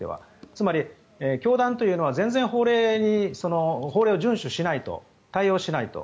つまり教団というのは全然、法令を順守しない対応しないと。